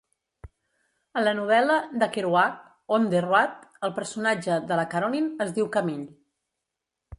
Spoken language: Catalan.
A la novel·la de Kerouac "On the Road", el personatge de la Carolyn es diu "Camille".